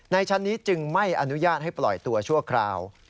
ชั้นนี้จึงไม่อนุญาตให้ปล่อยตัวชั่วคราว